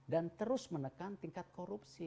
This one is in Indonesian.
dan terus menekan tingkat korupsi